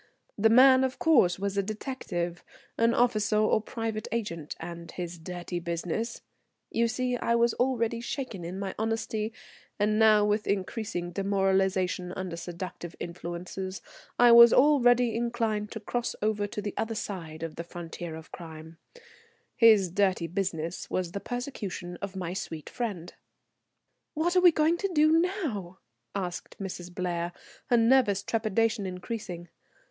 The man, of course, was a detective, an officer or private agent, and his dirty business you see, I was already shaken in my honesty, and now with increasing demoralization under seductive influences I was already inclined to cross over to the other side of the frontier of crime his dirty business was the persecution of my sweet friend. "What are we to do now?" asked Mrs. Blair, her nervous trepidation increasing.